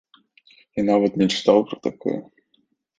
І нават не чытаў пра такое.